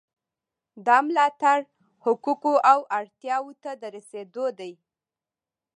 دا ملاتړ حقوقو او اړتیاوو ته د رسیدو دی.